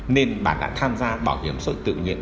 nên bà đã tham gia bảo hiểm sội tử nguyện